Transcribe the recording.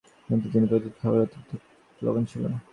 অথচ দুদিন আগে প্রতিটি খাবারে অতিরিক্ত লবণ ছিল।